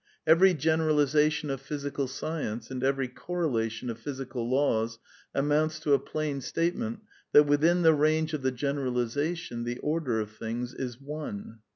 Every generalization of physical science, and every corre lation of physical laws, amounts to a plain statement that within the range of the generalization the order of things is one.